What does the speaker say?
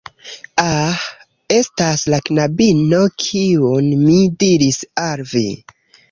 Ah, estas la knabino kiun mi diris al vi